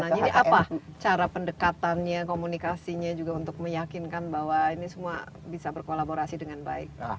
jadi apa cara pendekatannya komunikasinya juga untuk meyakinkan bahwa ini semua bisa berkolaborasi dengan baik